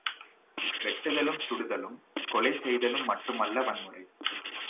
வெட்டுதலும் சுடுதலும், கொலை செய்தலும் மட்டுமல்ல வன்முறை.